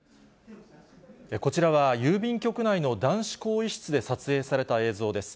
こちらは郵便局内の男子更衣室で撮影された映像です。